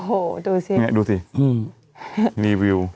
โอ้โหดูสิเนี่ยดูสิรีวิว